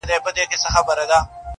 دعا لکه چي نه مني یزدان څه به کوو؟!